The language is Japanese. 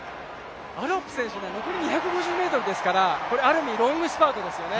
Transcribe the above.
アロップ選手、残り２５０ｍですから、ある意味、ロングスパートですよね